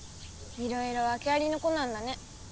いろいろわけありの子なんだね。